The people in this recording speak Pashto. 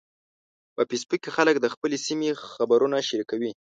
په فېسبوک کې خلک د خپلې سیمې خبرونه شریکوي